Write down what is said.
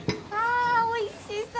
あおいしそう！